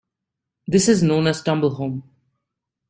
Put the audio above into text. This is known as tumblehome.